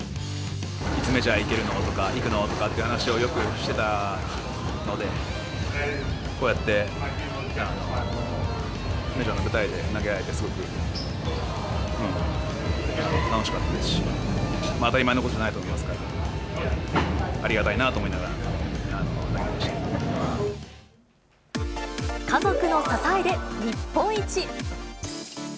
いつメジャー行けるの？とか、行くの？とかっていう話をよくしてたので、こうやってメジャーの舞台で投げ合えて、すごく楽しかったですし、当たり前のことじゃないですから、ありがたいなと思いながら投げて家族の支えで日本一。